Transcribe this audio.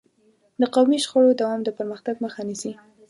د قومي شخړو دوام د پرمختګ مخه نیسي.